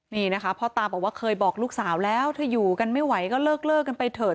นี่นะคะพ่อตาบอกว่าเคยบอกลูกสาวแล้วถ้าอยู่กันไม่ไหวก็เลิกกันไปเถอะ